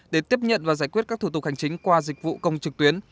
để tiếp nhận và giải quyết các thủ tục hành chính qua dịch vụ công trực tuyến